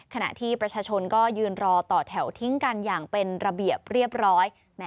ขณะที่ประชาชนก็ยืนรอต่อแถวทิ้งกันอย่างเป็นระเบียบเรียบร้อย